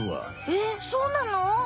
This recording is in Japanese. えっそうなの？